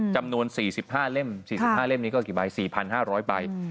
จำนวน๔๕เล่ม๔๕เล่มนี้ก็กี่ใบ๔๕๐๐ใบ